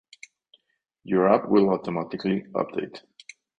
Your app will automatically update.